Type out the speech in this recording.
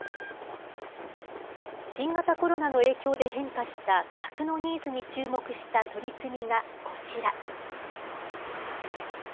新型コロナの影響で変化した客のニーズに注目した取り組みがこちら。